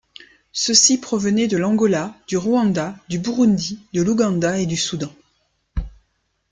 Ceux-ci provenaient de l'Angola, du Rwanda, du Burundi, de l'Ouganda et du Soudan.